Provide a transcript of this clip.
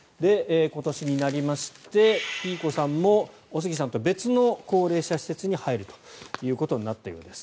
今年になりまして、ピーコさんもおすぎさんと別の高齢者施設に入ったようです。